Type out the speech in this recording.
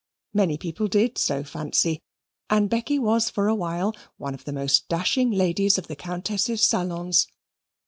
Many people did so fancy, and Becky was for a while one of the most dashing ladies of the Countess's salons.